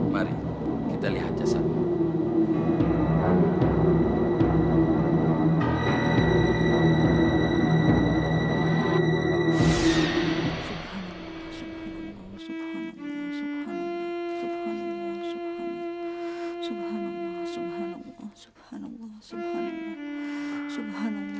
mari kita lihat jasadmu